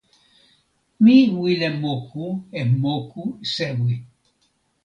mi wile moku e moku sewi.